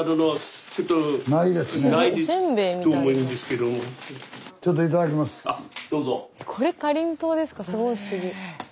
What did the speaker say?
すごい不思議。